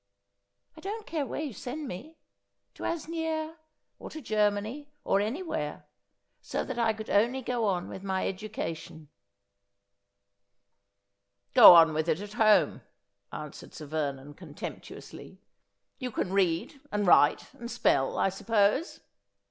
' I don't care where yon send me : to Asnieres, or to Germany, or anywhere : so that I could only go on with my education.' ' Gro on with it at home,' answered Sir Vernon contemptu 124 Asphodel. ously. ' You can read, and write, and spell, I suppose.